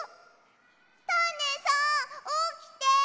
タネさんおきて！